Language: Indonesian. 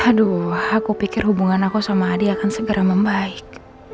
aduh aku pikir hubungan aku sama hadiah akan segera membaik